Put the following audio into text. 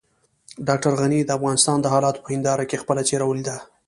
ډاکټر غني د افغانستان د حالاتو په هنداره کې خپله څېره وليده.